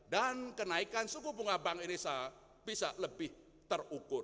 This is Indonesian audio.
dan kenaikan suku bunga bank indonesia bisa lebih terukur